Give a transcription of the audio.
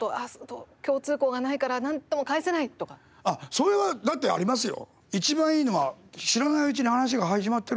それは、だってありますよ。